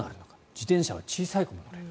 自転車は小さい子も乗れる。